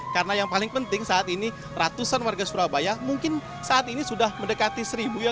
karena yang paling penting saat ini ratusan warga surabaya mungkin saat ini sudah mendekati seribu ya